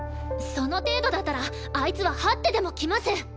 その程度だったらあいつははってでも来ます。